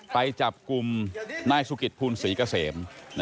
ไปจับกลุ่มนายสุกิตภูลศรีเกษม